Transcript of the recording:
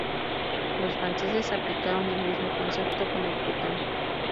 Los franceses aplicaron el mismo concepto con el Plutón.